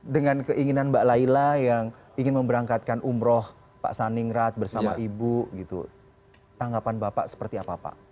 dengan keinginan mbak layla yang ingin memberangkatkan umroh pak saningrat bersama ibu tanggapan bapak seperti apa pak